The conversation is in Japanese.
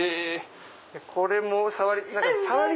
これも触り。